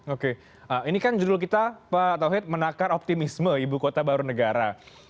oke ini kan judul kita pak tauhid menakar optimisme ibu kota baru negara